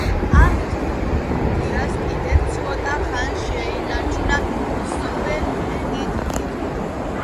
ამით ბურგუნდიას კიდევ ცოტა ხანს შეუნარჩუნა სუვერენიტეტი.